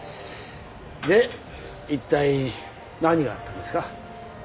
で一体何があったんですか？